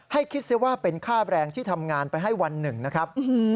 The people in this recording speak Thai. ให้คิดซิว่าเป็นค่าแรงที่ทำงานไปให้วันหนึ่งนะครับ